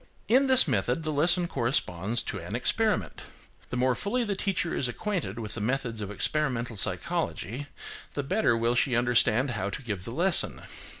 In this method the lesson corresponds to an experiment. The more fully the teacher is acquainted with the methods of experimental psychology, the better will she understand how to give the lesson.